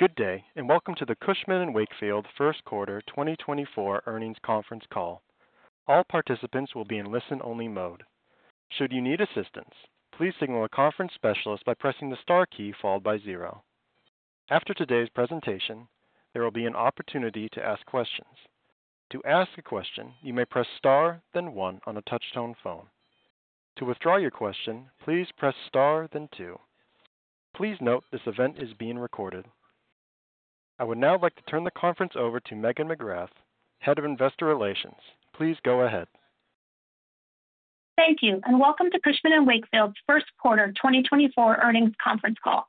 Good day and welcome to the Cushman & Wakefield first quarter 2024 earnings conference call. All participants will be in listen-only mode. Should you need assistance, please signal a conference specialist by pressing the star key followed by 0. After today's presentation, there will be an opportunity to ask questions. To ask a question, you may press star then 1 on a touch-tone phone. To withdraw your question, please press star then 2. Please note this event is being recorded. I would now like to turn the conference over to Megan McGrath, Head of Investor Relations. Please go ahead. Thank you, and welcome to Cushman & Wakefield's first quarter 2024 earnings conference call.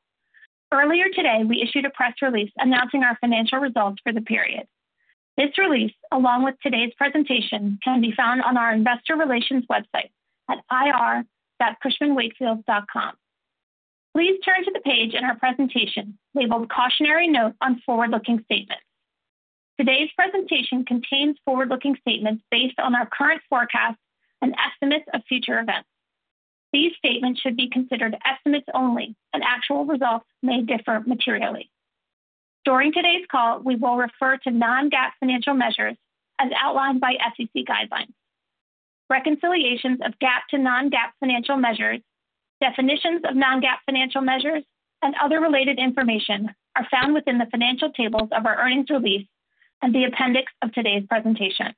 Earlier today, we issued a press release announcing our financial results for the period. This release, along with today's presentation, can be found on our Investor Relations website at ir.cushmanwakefield.com. Please turn to the page in our presentation labeled "Cautionary Note on Forward Looking Statements." Today's presentation contains forward-looking statements based on our current forecasts and estimates of future events. These statements should be considered estimates only, and actual results may differ materially. During today's call, we will refer to non-GAAP financial measures as outlined by SEC guidelines. Reconciliations of GAAP-to-non-GAAP financial measures, definitions of non-GAAP financial measures, and other related information are found within the financial tables of our earnings release and the appendix of today's presentation.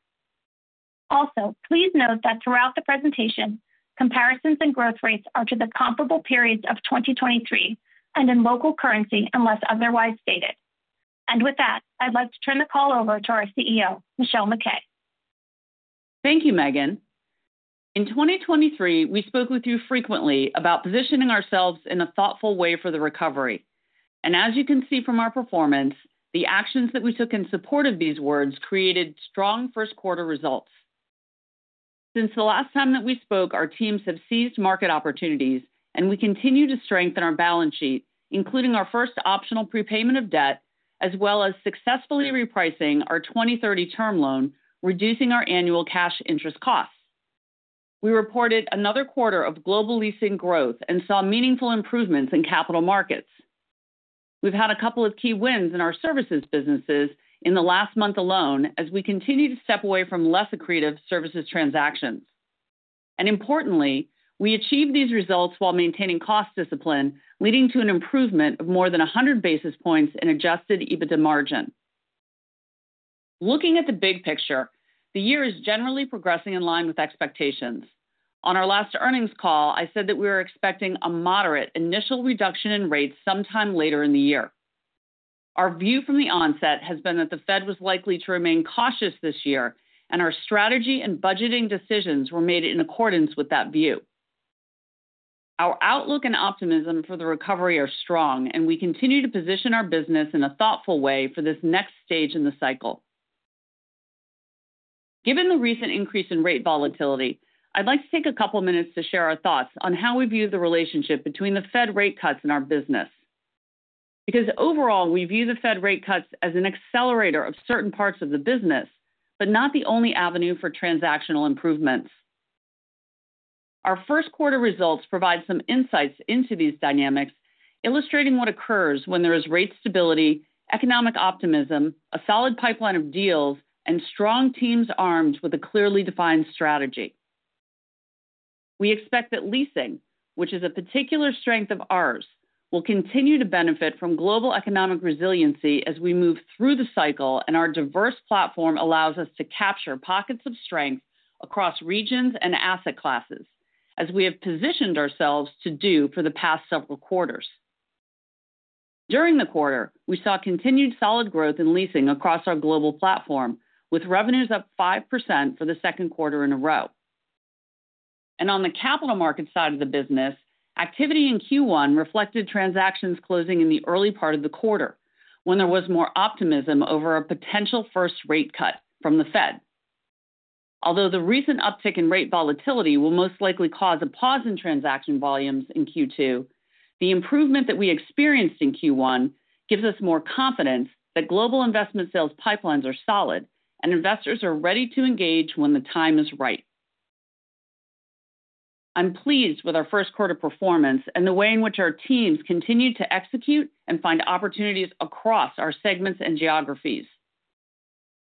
Also, please note that throughout the presentation, comparisons and growth rates are to the comparable periods of 2023 and in local currency unless otherwise stated. With that, I'd like to turn the call over to our CEO, Michelle MacKay. Thank you, Megan. In 2023, we spoke with you frequently about positioning ourselves in a thoughtful way for the recovery. As you can see from our performance, the actions that we took in support of these words created strong first-quarter results. Since the last time that we spoke, our teams have seized market opportunities, and we continue to strengthen our balance sheet, including our first optional prepayment of debt, as well as successfully repricing our 2030 term loan, reducing our annual cash interest costs. We reported another quarter of global leasing growth and saw meaningful improvements in capital markets. We've had a couple of key wins in our services businesses in the last month alone as we continue to step away from less accretive services transactions. Importantly, we achieved these results while maintaining cost discipline, leading to an improvement of more than 100 basis points in Adjusted EBITDA margin. Looking at the big picture, the year is generally progressing in line with expectations. On our last earnings call, I said that we were expecting a moderate initial reduction in rates sometime later in the year. Our view from the onset has been that the Fed was likely to remain cautious this year, and our strategy and budgeting decisions were made in accordance with that view. Our outlook and optimism for the recovery are strong, and we continue to position our business in a thoughtful way for this next stage in the cycle. Given the recent increase in rate volatility, I'd like to take a couple of minutes to share our thoughts on how we view the relationship between the Fed rate cuts and our business. Because overall, we view the Fed rate cuts as an accelerator of certain parts of the business, but not the only avenue for transactional improvements. Our first quarter results provide some insights into these dynamics, illustrating what occurs when there is rate stability, economic optimism, a solid pipeline of deals, and strong teams armed with a clearly defined strategy. We expect that leasing, which is a particular strength of ours, will continue to benefit from global economic resiliency as we move through the cycle, and our diverse platform allows us to capture pockets of strength across regions and asset classes, as we have positioned ourselves to do for the past several quarters. During the quarter, we saw continued solid growth in leasing across our global platform, with revenues up 5% for the second quarter in a row. On the capital markets side of the business, activity in Q1 reflected transactions closing in the early part of the quarter, when there was more optimism over a potential first rate cut from the Fed. Although the recent uptick in rate volatility will most likely cause a pause in transaction volumes in Q2, the improvement that we experienced in Q1 gives us more confidence that global investment sales pipelines are solid and investors are ready to engage when the time is right. I'm pleased with our first quarter performance and the way in which our teams continue to execute and find opportunities across our segments and geographies.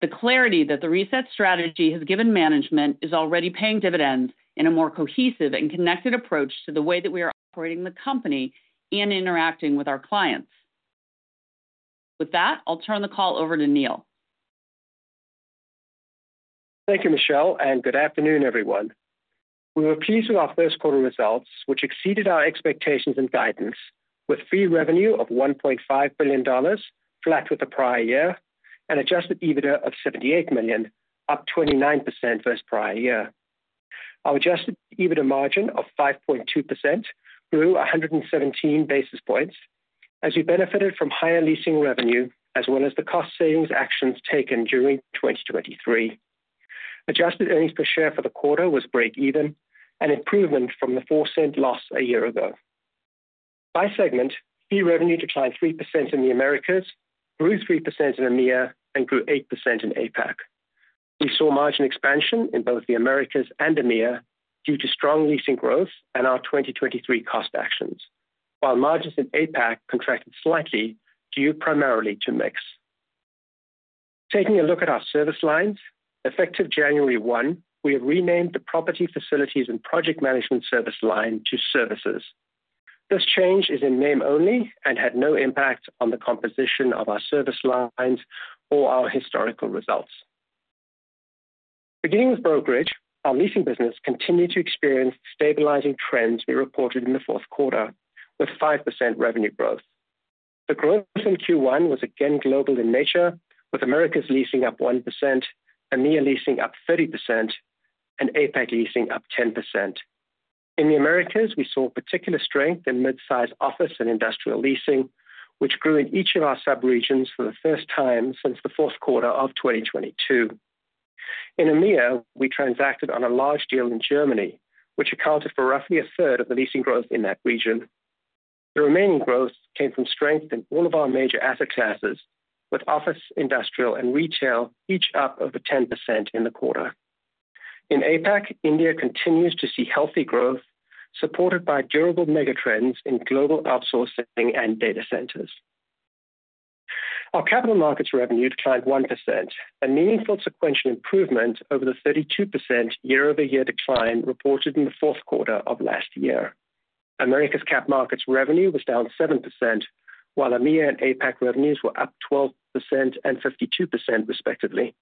The clarity that the reset strategy has given management is already paying dividends in a more cohesive and connected approach to the way that we are operating the company and interacting with our clients. With that, I'll turn the call over to Neil. Thank you, Michelle, and good afternoon, everyone. We were pleased with our first quarter results, which exceeded our expectations and guidance, with fee revenue of $1.5 billion flat with the prior year and Adjusted EBITDA of $78 million, up 29% versus prior year. Our Adjusted EBITDA margin of 5.2% grew 117 basis points as we benefited from higher leasing revenue as well as the cost savings actions taken during 2023. Adjusted earnings per share for the quarter was break-even and improvement from the $0.04 loss a year ago. By segment, fee revenue declined 3% in the Americas, grew 3% in EMEA, and grew 8% in APAC. We saw margin expansion in both the Americas and EMEA due to strong leasing growth and our 2023 cost actions, while margins in APAC contracted slightly due primarily to mix. Taking a look at our service lines, effective January 1, we have renamed the Property Facilities and Project Management service line to Services. This change is in name only and had no impact on the composition of our service lines or our historical results. Beginning with brokerage, our leasing business continued to experience stabilizing trends we reported in the fourth quarter, with 5% revenue growth. The growth in Q1 was again global in nature, with Americas leasing up 1%, EMEA leasing up 30%, and APAC leasing up 10%. In the Americas, we saw particular strength in midsize office and industrial leasing, which grew in each of our subregions for the first time since the fourth quarter of 2022. In EMEA, we transacted on a large deal in Germany, which accounted for roughly a third of the leasing growth in that region. The remaining growth came from strength in all of our major asset classes, with office, industrial, and retail each up over 10% in the quarter. In APAC, India continues to see healthy growth supported by durable megatrends in global outsourcing and data centers. Our capital markets revenue declined 1%, a meaningful sequential improvement over the 32% year-over-year decline reported in the fourth quarter of last year. Americas cap markets revenue was down 7%, while EMEA and APAC revenues were up 12% and 52%, respectively.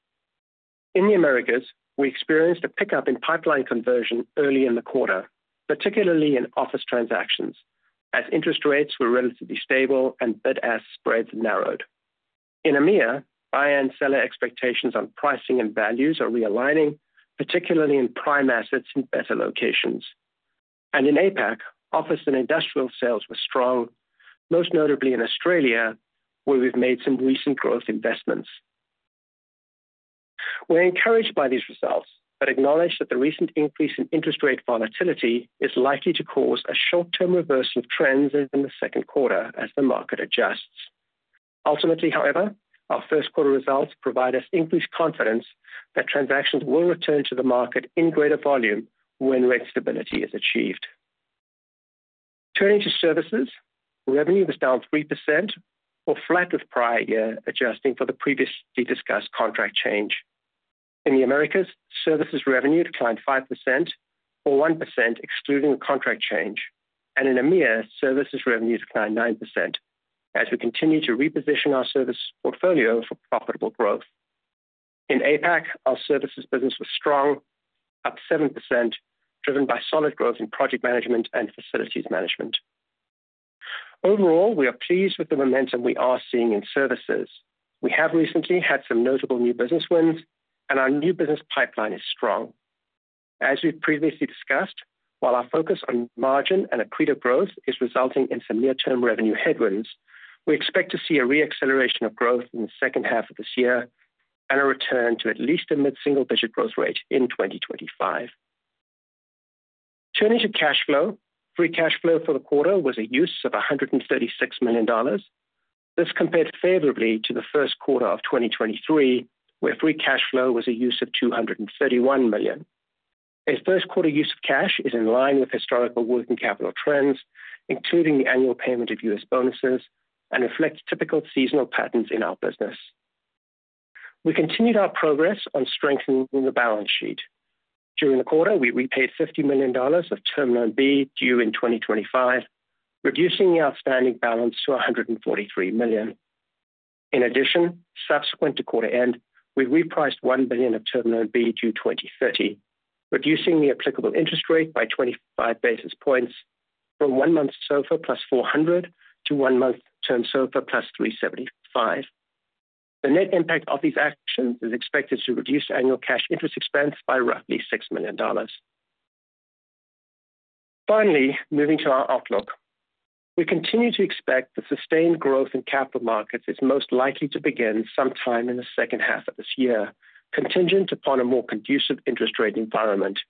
In the Americas, we experienced a pickup in pipeline conversion early in the quarter, particularly in office transactions, as interest rates were relatively stable and bid-ask spreads narrowed. In EMEA, buyer and seller expectations on pricing and values are realigning, particularly in prime assets in better locations. In APAC, office and industrial sales were strong, most notably in Australia, where we've made some recent growth investments. We're encouraged by these results but acknowledge that the recent increase in interest rate volatility is likely to cause a short-term reversal of trends in the second quarter as the market adjusts. Ultimately, however, our first quarter results provide us increased confidence that transactions will return to the market in greater volume when rate stability is achieved. Turning to services, revenue was down 3%, or flat with prior year, adjusting for the previously discussed contract change. In the Americas, services revenue declined 5%, or 1% excluding the contract change. In EMEA, services revenue declined 9% as we continue to reposition our service portfolio for profitable growth. In APAC, our services business was strong, up 7%, driven by solid growth in project management and facilities management. Overall, we are pleased with the momentum we are seeing in services. We have recently had some notable new business wins, and our new business pipeline is strong. As we've previously discussed, while our focus on margin and accretive growth is resulting in some near-term revenue headwinds, we expect to see a reacceleration of growth in the second half of this year and a return to at least a mid-single-digit growth rate in 2025. Turning to cash flow, free cash flow for the quarter was a use of $136 million. This compared favorably to the first quarter of 2023, where free cash flow was a use of $231 million. A first-quarter use of cash is in line with historical working capital trends, including the annual payment of US bonuses, and reflects typical seasonal patterns in our business. We continued our progress on strengthening the balance sheet. During the quarter, we repaid $50 million of Term Loan B due in 2025, reducing the outstanding balance to $143 million. In addition, subsequent to quarter end, we repriced $1 billion of Term Loan B due 2030, reducing the applicable interest rate by 25 basis points from one month SOFR +400 to one month Term SOFR +375. The net impact of these actions is expected to reduce annual cash interest expense by roughly $6 million. Finally, moving to our outlook, we continue to expect the sustained growth in capital markets is most likely to begin sometime in the second half of this year, contingent upon a more conducive interest rate environment.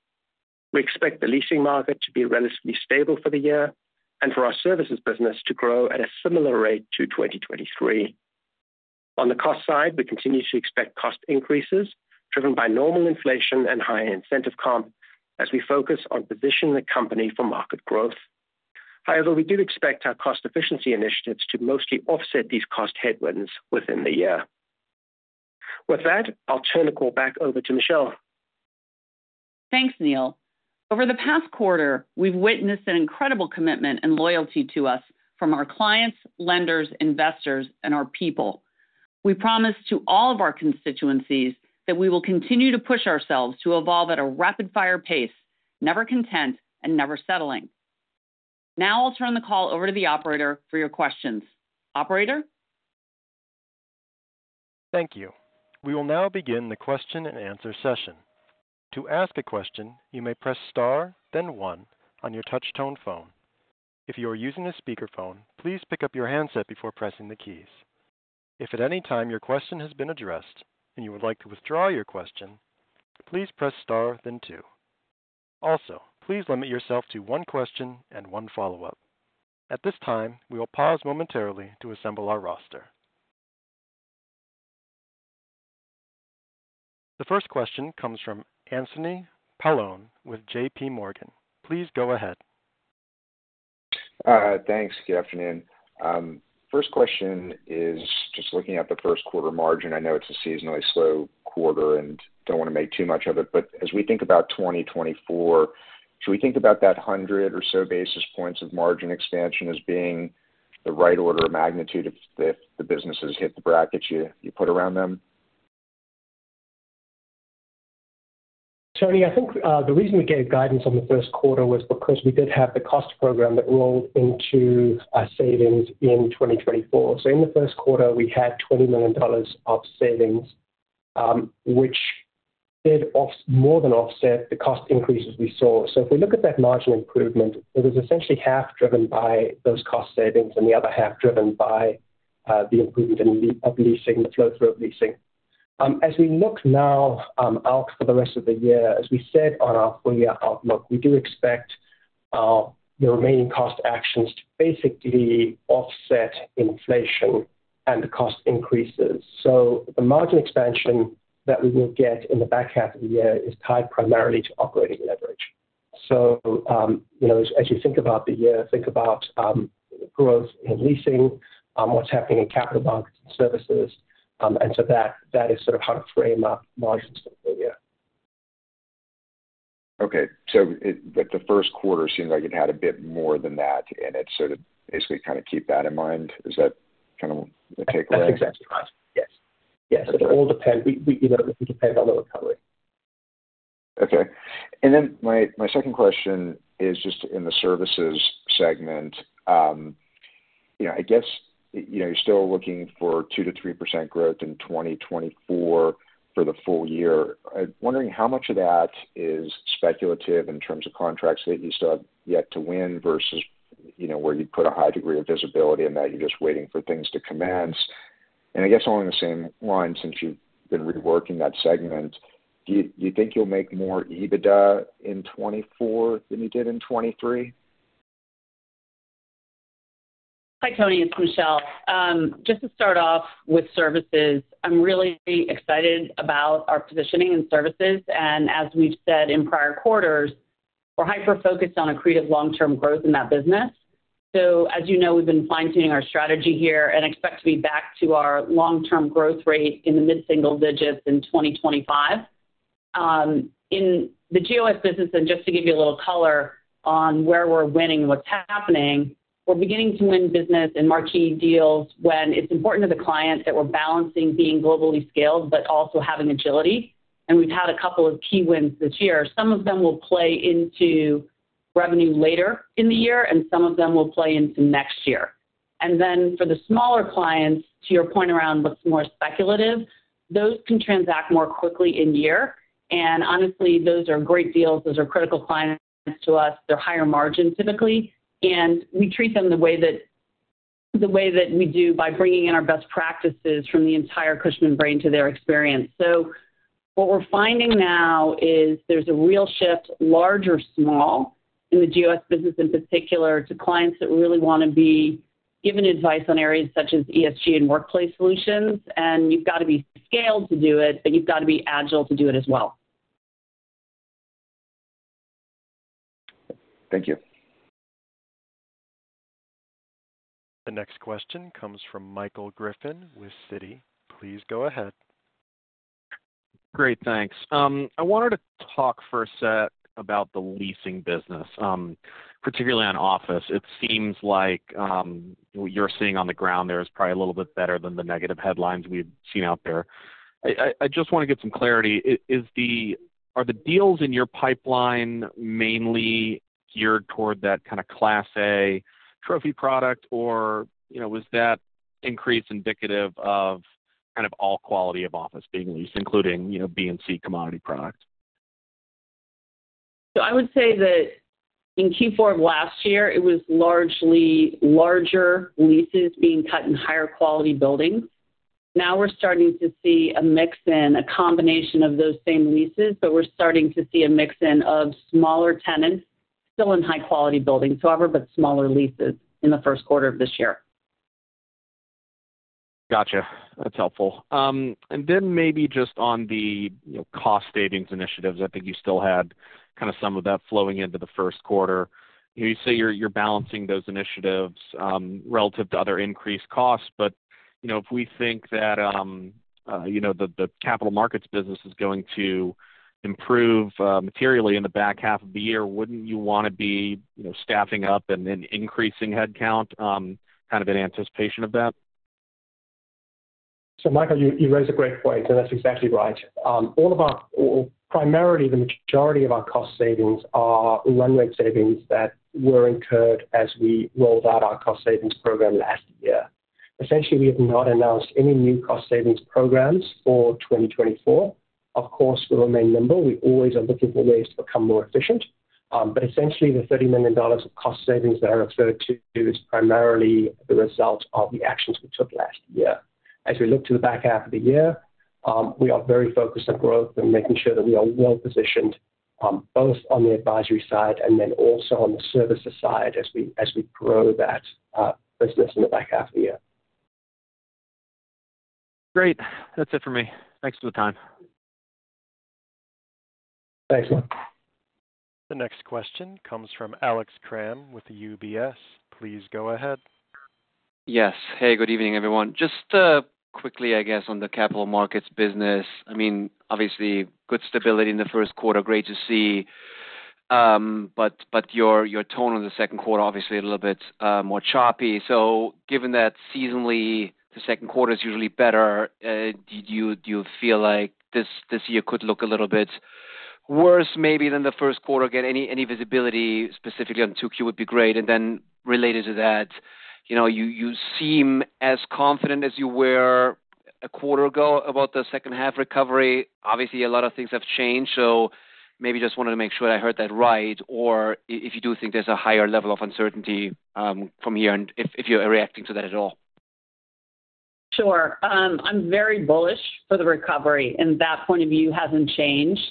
We expect the leasing market to be relatively stable for the year and for our services business to grow at a similar rate to 2023. On the cost side, we continue to expect cost increases driven by normal inflation and higher incentive comp as we focus on positioning the company for market growth. However, we do expect our cost efficiency initiatives to mostly offset these cost headwinds within the year. With that, I'll turn the call back over to Michelle. Thanks, Neil. Over the past quarter, we've witnessed an incredible commitment and loyalty to us from our clients, lenders, investors, and our people. We promised to all of our constituencies that we will continue to push ourselves to evolve at a rapid-fire pace, never content and never settling. Now I'll turn the call over to the operator for your questions. Operator? Thank you. We will now begin the question-and-answer session. To ask a question, you may press star, then one, on your touch-tone phone. If you are using a speakerphone, please pick up your handset before pressing the keys. If at any time your question has been addressed and you would like to withdraw your question, please press star, then two. Also, please limit yourself to one question and one follow-up. At this time, we will pause momentarily to assemble our roster. The first question comes from Anthony Paolone with JPMorgan. Please go ahead. Thanks. Good afternoon. First question is just looking at the first quarter margin. I know it's a seasonally slow quarter and don't want to make too much of it, but as we think about 2024, should we think about that 100 or so basis points of margin expansion as being the right order of magnitude if the businesses hit the brackets you put around them? Tony, I think the reason we gave guidance on the first quarter was because we did have the cost program that rolled into savings in 2024. So in the first quarter, we had $20 million of savings, which did more than offset the cost increases we saw. So if we look at that margin improvement, it was essentially half driven by those cost savings and the other half driven by the improvement of leasing, the flow-through of leasing. As we look now out for the rest of the year, as we said on our four-year outlook, we do expect the remaining cost actions to basically offset inflation and the cost increases. So the margin expansion that we will get in the back half of the year is tied primarily to operating leverage. So as you think about the year, think about growth in leasing, what's happening in capital markets and services. And so that is sort of how to frame up margins for the four-year. Okay. But the first quarter seemed like it had a bit more than that in it. So to basically kind of keep that in mind, is that kind of the takeaway? That's exactly right. Yes. Yes. It all depends. It depends on the recovery. Okay. And then my second question is just in the services segment. I guess you're still looking for 2%-3% growth in 2024 for the full year. I'm wondering how much of that is speculative in terms of contracts that you still have yet to win versus where you'd put a high degree of visibility and that you're just waiting for things to commence. And I guess along the same line, since you've been reworking that segment, do you think you'll make more EBITDA in 2024 than you did in 2023? Hi, Tony. It's Michelle. Just to start off with services, I'm really excited about our positioning in services. As we've said in prior quarters, we're hyper-focused on accretive long-term growth in that business. As you know, we've been fine-tuning our strategy here and expect to be back to our long-term growth rate in the mid-single digits in 2025. In the GOS business, just to give you a little color on where we're winning and what's happening, we're beginning to win business in marquee deals when it's important to the client that we're balancing being globally scaled but also having agility. We've had a couple of key wins this year. Some of them will play into revenue later in the year, and some of them will play into next year. And then for the smaller clients, to your point around what's more speculative, those can transact more quickly in year. And honestly, those are great deals. Those are critical clients to us. They're higher margin, typically. And we treat them the way that we do by bringing in our best practices from the entire Cushman brand to their experience. So what we're finding now is there's a real shift, large or small, in the GOS business in particular to clients that really want to be given advice on areas such as ESG and workplace solutions. And you've got to be scaled to do it, but you've got to be agile to do it as well. Thank you. The next question comes from Michael Griffin with Citi. Please go ahead. Great. Thanks. I wanted to talk for a sec about the leasing business, particularly on office. It seems like what you're seeing on the ground there is probably a little bit better than the negative headlines we've seen out there. I just want to get some clarity. Are the deals in your pipeline mainly geared toward that kind of Class A trophy product, or was that increase indicative of kind of all quality of office being leased, including B and C commodity product? So I would say that in Q4 of last year, it was largely larger leases being cut in higher-quality buildings. Now we're starting to see a mix-in, a combination of those same leases, but we're starting to see a mix-in of smaller tenants, still in high-quality buildings, however, but smaller leases in the first quarter of this year. Gotcha. That's helpful. And then maybe just on the cost savings initiatives, I think you still had kind of some of that flowing into the first quarter. You say you're balancing those initiatives relative to other increased costs. But if we think that the capital markets business is going to improve materially in the back half of the year, wouldn't you want to be staffing up and increasing headcount kind of in anticipation of that? So Michael, you raise a great point, and that's exactly right. Primarily, the majority of our cost savings are run rate savings that were incurred as we rolled out our cost savings program last year. Essentially, we have not announced any new cost savings programs for 2024. Of course, we remain nimble. We always are looking for ways to become more efficient. But essentially, the $30 million of cost savings that are referred to is primarily the result of the actions we took last year. As we look to the back half of the year, we are very focused on growth and making sure that there we are well-positioned both on the advisory side and then also on the services side as we grow that business in the back half of the year. Great. That's it for me. Thanks for the time. Thanks, Mike. The next question comes from Alex Kramm with UBS. Please go ahead. Yes. Hey, good evening, everyone. Just quickly, I guess, on the capital markets business. I mean, obviously, good stability in the first quarter. Great to see. But your tone on the second quarter, obviously, a little bit more choppy. So given that seasonally, the second quarter is usually better, do you feel like this year could look a little bit worse maybe than the first quarter? Get any visibility specifically on 2Q would be great. And then related to that, you seem as confident as you were a quarter ago about the second half recovery. Obviously, a lot of things have changed. So maybe just wanted to make sure that I heard that right or if you do think there's a higher level of uncertainty from here and if you're reacting to that at all. Sure. I'm very bullish for the recovery. That point of view hasn't changed.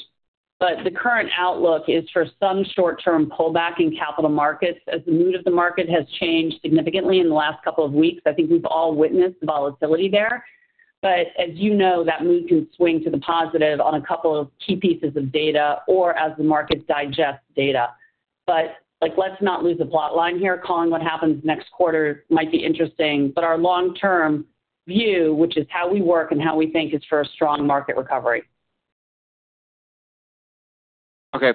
The current outlook is for some short-term pullback in capital markets as the mood of the market has changed significantly in the last couple of weeks. I think we've all witnessed volatility there. As you know, that mood can swing to the positive on a couple of key pieces of data or as the markets digest data. Let's not lose the plot line here. Calling what happens next quarter might be interesting. Our long-term view, which is how we work and how we think, is for a strong market recovery. Okay.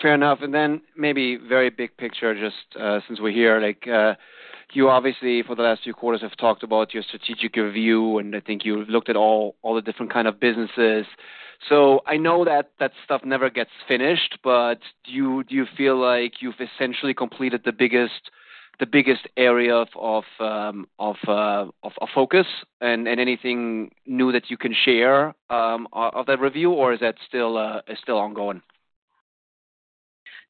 Fair enough. And then maybe very big picture, just since we're here, you obviously, for the last few quarters, have talked about your strategic review, and I think you looked at all the different kind of businesses. So I know that that stuff never gets finished, but do you feel like you've essentially completed the biggest area of focus and anything new that you can share of that review, or is that still ongoing?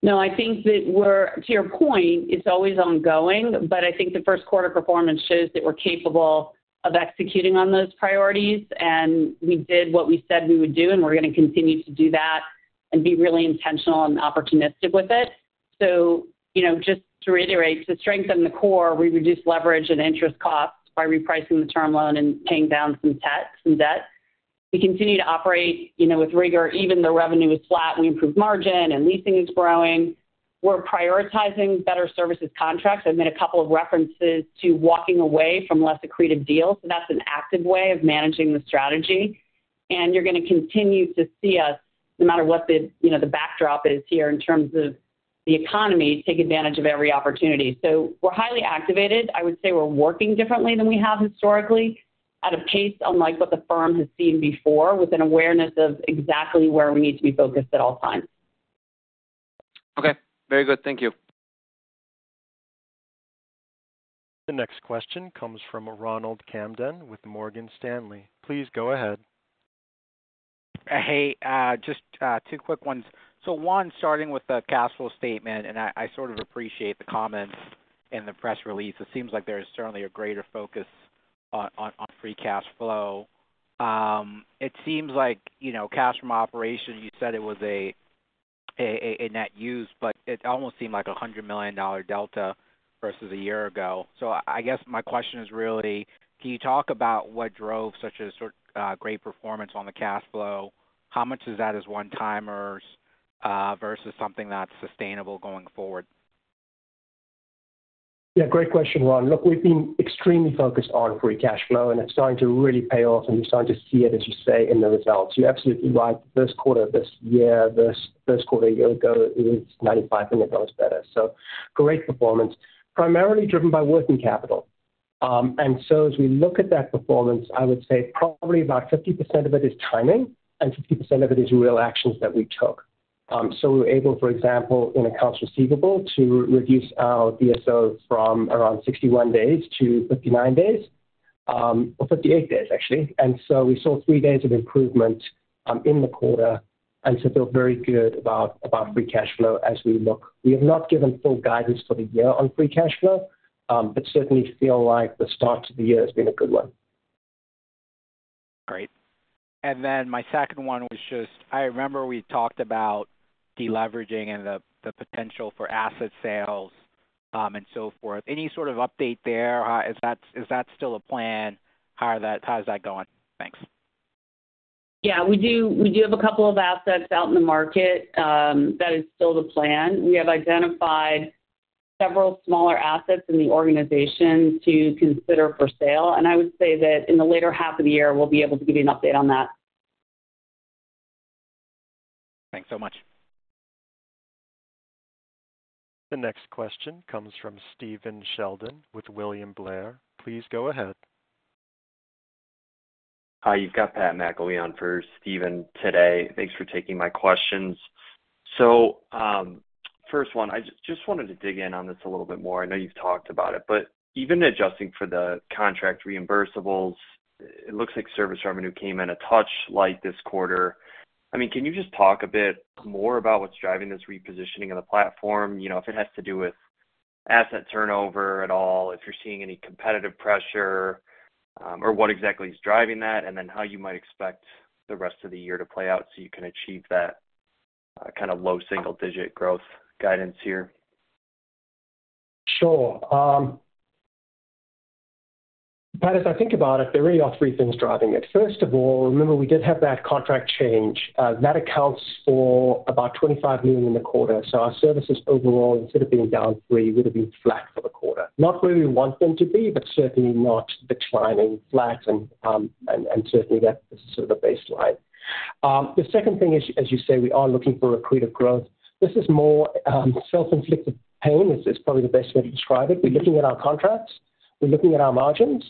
No, I think that we're to your point, it's always ongoing. But I think the first quarter performance shows that we're capable of executing on those priorities. And we did what we said we would do, and we're going to continue to do that and be really intentional and opportunistic with it. So just to reiterate, to strengthen the core, we reduce leverage and interest costs by repricing the term loan and paying down some debt. We continue to operate with rigor. Even though revenue is flat, we improve margin, and leasing is growing. We're prioritizing better services contracts. I've made a couple of references to walking away from less accretive deals. So that's an active way of managing the strategy. And you're going to continue to see us, no matter what the backdrop is here in terms of the economy, take advantage of every opportunity. So we're highly activated. I would say we're working differently than we have historically at a pace unlike what the firm has seen before with an awareness of exactly where we need to be focused at all times. Okay. Very good. Thank you. The next question comes from Ronald Kamdem with Morgan Stanley. Please go ahead. Hey, just two quick ones. So one, starting with the cash flow statement, and I sort of appreciate the comments in the press release. It seems like there's certainly a greater focus on free cash flow. It seems like cash from operation, you said it was a net use, but it almost seemed like a $100 million delta versus a year ago. So I guess my question is really, can you talk about what drove such a great performance on the cash flow? How much is that as one-timers versus something that's sustainable going forward? Yeah. Great question, Ron. Look, we've been extremely focused on free cash flow, and it's starting to really pay off, and you're starting to see it, as you say, in the results. You're absolutely right. The first quarter of this year, first quarter a year ago, it was $95 million better. So great performance, primarily driven by working capital. And so as we look at that performance, I would say probably about 50% of it is timing and 50% of it is real actions that we took. So we were able, for example, in accounts receivable, to reduce our DSO from around 61 days to 59 days or 58 days, actually. And so feel very good about free cash flow as we look. We have not given full guidance for the year on free cash flow but certainly feel like the start to the year has been a good one. Great. And then my second one was just I remember we talked about deleveraging and the potential for asset sales and so forth. Any sort of update there? Is that still a plan? How is that going? Thanks. Yeah. We do have a couple of assets out in the market. That is still the plan. We have identified several smaller assets in the organization to consider for sale. And I would say that in the later half of the year, we'll be able to give you an update on that. Thanks so much. The next question comes from Steven Sheldon with William Blair. Please go ahead. Hi. You've got Pat McIlwee for Steven today. Thanks for taking my questions. So first one, I just wanted to dig in on this a little bit more. I know you've talked about it. But even adjusting for the contract reimbursables, it looks like service revenue came in a touch light this quarter. I mean, can you just talk a bit more about what's driving this repositioning of the platform, if it has to do with asset turnover at all, if you're seeing any competitive pressure, or what exactly is driving that, and then how you might expect the rest of the year to play out so you can achieve that kind of low single-digit growth guidance here? Sure. Pat, as I think about it, there really are three things driving it. First of all, remember, we did have that contract change. That accounts for about $25 million in the quarter. So our services overall, instead of being down 3, would have been flat for the quarter. Not where we want them to be, but certainly not declining flat. And certainly, this is sort of the baseline. The second thing is, as you say, we are looking for accretive growth. This is more self-inflicted pain. It's probably the best way to describe it. We're looking at our contracts. We're looking at our margins.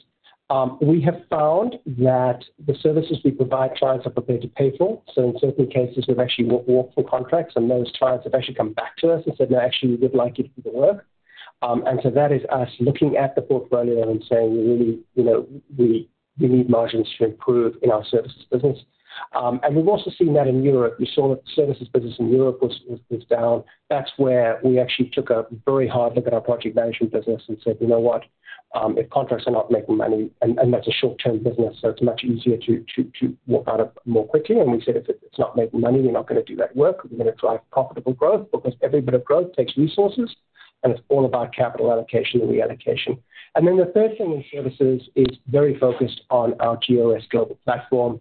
We have found that the services we provide clients are prepared to pay for. So in certain cases, we've actually walked through contracts, and those clients have actually come back to us and said, "No, actually, we would like you to do the work." And so that is us looking at the portfolio and saying, "We really need margins to improve in our services business." And we've also seen that in Europe. You saw that the services business in Europe was down. That's where we actually took a very hard look at our project management business and said, "You know what? If contracts are not making money" and that's a short-term business, so it's much easier to walk out of more quickly. And we said, "If it's not making money, we're not going to do that work. We're going to drive profitable growth because every bit of growth takes resources, and it's all about capital allocation and reallocation." And then the third thing in services is very focused on our GOS global platform.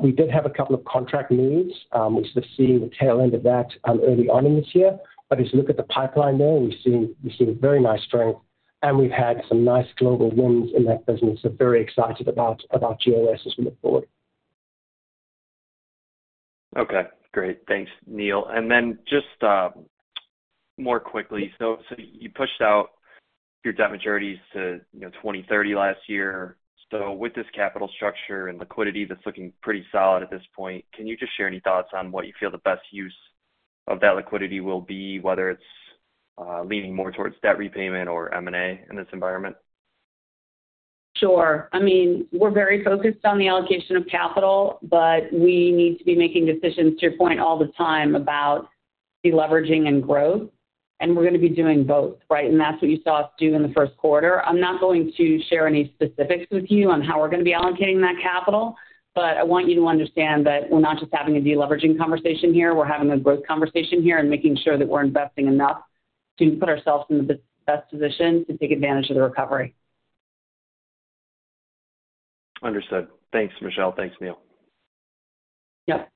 We did have a couple of contract moves. We're sort of seeing the tail end of that early on in this year. But as you look at the pipeline there, we're seeing very nice strength, and we've had some nice global wins in that business. So very excited about GOS as we look forward. Okay. Great. Thanks, Neil. And then just more quickly, so you pushed out your debt maturities to 2030 last year. So with this capital structure and liquidity that's looking pretty solid at this point, can you just share any thoughts on what you feel the best use of that liquidity will be, whether it's leaning more towards debt repayment or M&A in this environment? Sure. I mean, we're very focused on the allocation of capital, but we need to be making decisions, to your point, all the time about deleveraging and growth. And we're going to be doing both, right? And that's what you saw us do in the first quarter. I'm not going to share any specifics with you on how we're going to be allocating that capital, but I want you to understand that we're not just having a deleveraging conversation here. We're having a growth conversation here and making sure that we're investing enough to put ourselves in the best position to take advantage of the recovery. Understood. Thanks, Michelle. Thanks, Neil. Yep.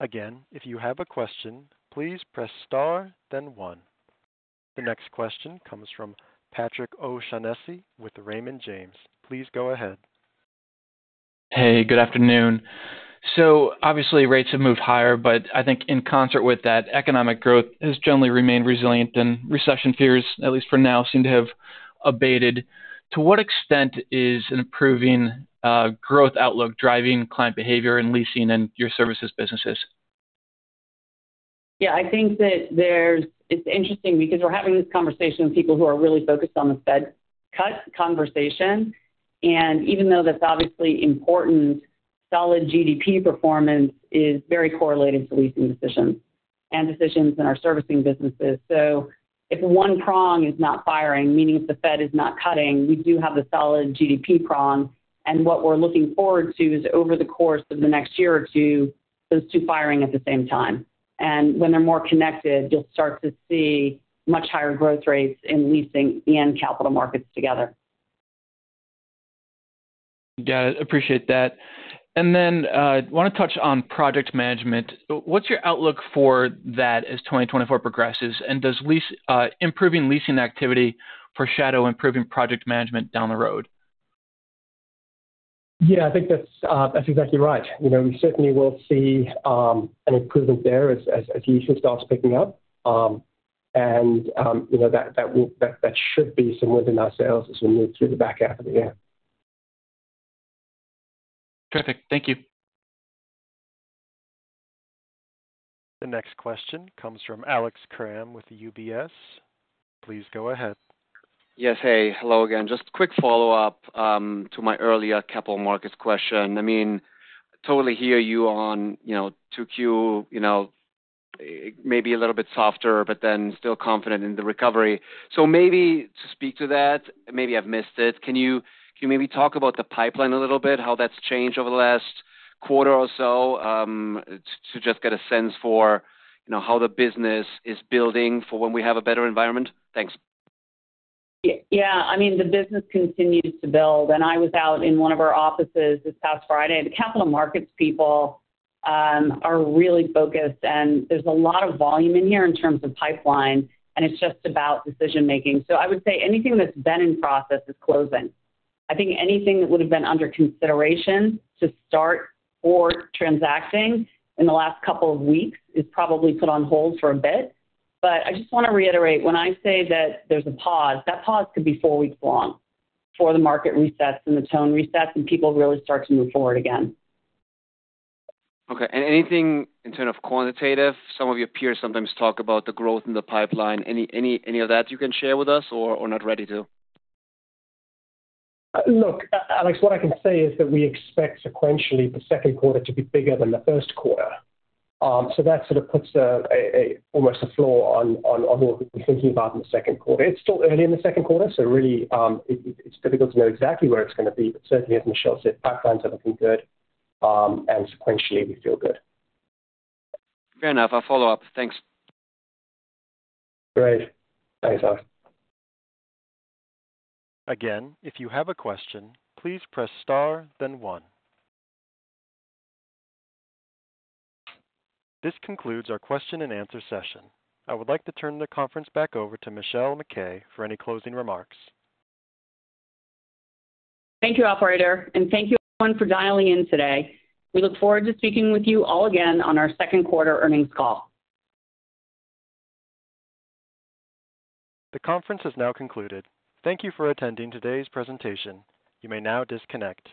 Again, if you have a question, please press star, then one. The next question comes from Patrick O'Shaughnessy with Raymond James. Please go ahead. Hey, good afternoon. Obviously, rates have moved higher, but I think in concert with that, economic growth has generally remained resilient, and recession fears, at least for now, seem to have abated. To what extent is an improving growth outlook driving client behavior in leasing and your services businesses? Yeah. I think that it's interesting because we're having this conversation with people who are really focused on the Fed cut conversation. Even though that's obviously important, solid GDP performance is very correlated to leasing decisions and decisions in our servicing businesses. If one prong is not firing, meaning if the Fed is not cutting, we do have the solid GDP prong. What we're looking forward to is, over the course of the next year or two, those two firing at the same time. When they're more connected, you'll start to see much higher growth rates in leasing and capital markets together. Got it. Appreciate that. And then I want to touch on project management. What's your outlook for that as 2024 progresses? And does improving leasing activity foreshadow improving project management down the road? Yeah. I think that's exactly right. We certainly will see an improvement there as leasing starts picking up. That should be some wind in our sails as we move through the back half of the year. Terrific. Thank you. The next question comes from Alex Kramm with UBS. Please go ahead. Yes. Hey. Hello again. Just quick follow-up to my earlier capital markets question. I mean, totally hear you on 2Q, maybe a little bit softer but then still confident in the recovery. So maybe to speak to that, maybe I've missed it, can you maybe talk about the pipeline a little bit, how that's changed over the last quarter or so, to just get a sense for how the business is building for when we have a better environment? Thanks. Yeah. I mean, the business continues to build. And I was out in one of our offices this past Friday. The capital markets people are really focused, and there's a lot of volume in here in terms of pipeline, and it's just about decision-making. So I would say anything that's been in process is closing. I think anything that would have been under consideration to start or transacting in the last couple of weeks is probably put on hold for a bit. But I just want to reiterate, when I say that there's a pause, that pause could be four weeks long before the market resets and the tone resets and people really start to move forward again. Okay. Anything in terms of quantitative? Some of your peers sometimes talk about the growth in the pipeline. Any of that you can share with us or not ready to? Look, Alex, what I can say is that we expect sequentially the second quarter to be bigger than the first quarter. So that sort of puts almost a floor on what we're thinking about in the second quarter. It's still early in the second quarter, so really, it's difficult to know exactly where it's going to be. But certainly, as Michelle said, pipelines are looking good, and sequentially, we feel good. Fair enough. I'll follow up. Thanks. Great. Thanks, Alex. Again, if you have a question, please press star, then one. This concludes our question-and-answer session. I would like to turn the conference back over to Michelle MacKay for any closing remarks. Thank you, operator. Thank you, everyone, for dialing in today. We look forward to speaking with you all again on our second quarter earnings call. The conference has now concluded. Thank you for attending today's presentation. You may now disconnect.